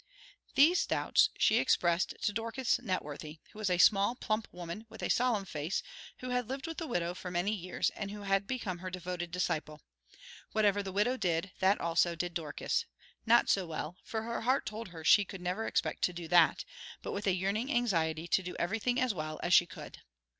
These doubts she expressed to Dorcas Networthy, who was a small, plump woman, with a solemn face, who had lived with the widow for many years and who had become her devoted disciple. Whatever the widow did, that also did Dorcas not so well, for her heart told her she could never expect to do that, but with a yearning anxiety to do everything as well as she could.